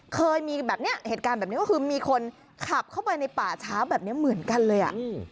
เคยมีแบบนี้เหตุการณ์แบบนี้ก็คือมีคนขับเข้าไปในป่าช้าแบบนี้เหมือนกันเลยอ่ะ